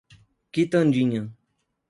Quitandinha